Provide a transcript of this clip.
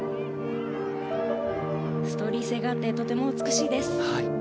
ストーリー性があってとても美しいです。